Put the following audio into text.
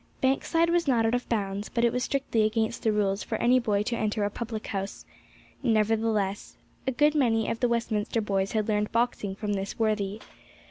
Bank Side was not out of bounds, but it was strictly against the rules for any boy to enter a public house; nevertheless, a good many of the Westminster boys had learned boxing from this worthy.